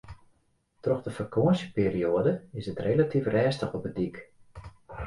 Troch de fakânsjeperioade is it relatyf rêstich op 'e dyk.